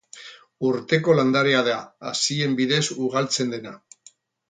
Urteko landarea da, hazien bidez ugaltzen dena.